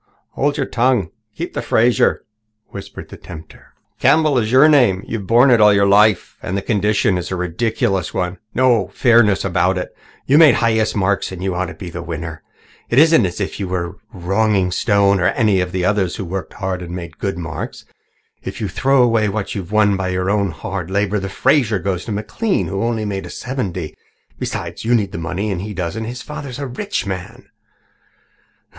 "Hold your tongue and keep the Fraser," whispered the tempter. "Campbell is your name. You've borne it all your life. And the condition itself is a ridiculous one no fairness about it. You made the highest marks and you ought to be the winner. It isn't as if you were wronging Stone or any of the others who worked hard and made good marks. If you throw away what you've won by your own hard labour, the Fraser goes to McLean, who made only seventy. Besides, you need the money and he doesn't. His father is a rich man."